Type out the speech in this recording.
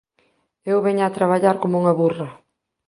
Eu veña a traballar coma unha burra